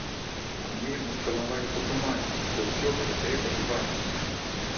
А мы яму спрабавалі патлумачыць, што ўсё гэта трэба і важна.